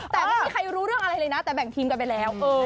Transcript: แต่ไม่มีใครรู้เรื่องอะไรเลยนะแต่แบ่งทีมกันไปแล้ว